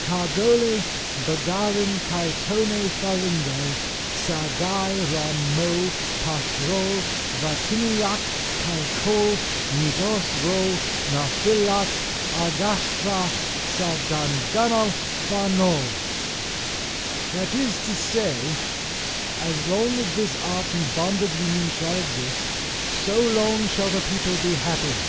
KARDOL BAGARLAN KAI TON FARINGO SARGAI RA MO PASHROL VATINEAC CAL COLNITOS RO NA FILNAT AGASTRA SA DINGANNAL FANO. That is to say, "As long as this arch and bond of union shall exist, so long shall the people be happy.